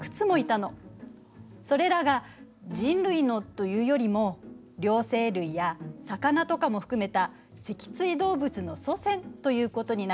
それらが人類のというよりも両生類や魚とかも含めた脊椎動物の祖先ということになるかしらね。